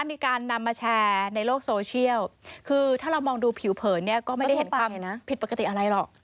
มีการนำมาแชร์ในโลกโซเชียลคือถ้าเรามองดูผิวเผินเนี่ยก็ไม่ได้เห็นความผิดปกติอะไรหรอก